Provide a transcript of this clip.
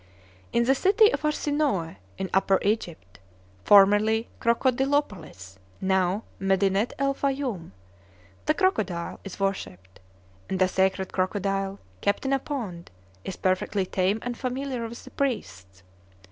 In the city of Arsinoe in Upper Egypt (formerly Crocodilopolis, now Medinet el Fayum), the crocodile is worshipped; and a sacred crocodile, kept in a pond, is perfectly tame and familiar with the priests.